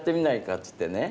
っつってね